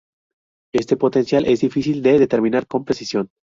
Este potencial es difícil de determinar con precisión.